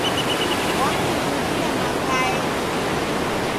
Wanizughia makae.